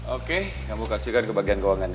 oke kamu kasihkan ke bagian keuangan ya